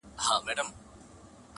بیا به خامخا یوه توره بلا وي,